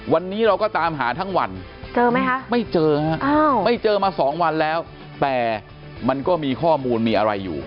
วันนี้เราก็ตามหาทั้งวันเจอไหมคะไม่เจอฮะไม่เจอมาสองวันแล้วแต่มันก็มีข้อมูลมีอะไรอยู่